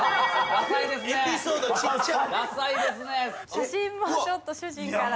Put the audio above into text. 写真もちょっと主人から。